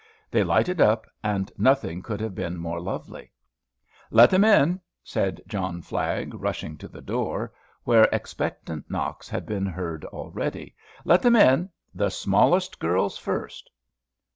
They lighted up, and nothing could have been more lovely. "Let them in!" said John Flagg rushing to the door, where expectant knocks had been heard already. "Let them in, the smallest girls first!"